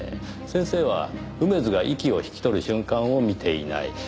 先生は梅津が息を引き取る瞬間を見ていない。